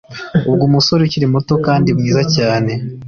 ubwo umusore ukiri muto kandi mwiza cyane,